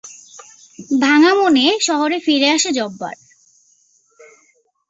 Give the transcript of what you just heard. ভাঙা মনে শহরে ফিরে আসে জব্বার।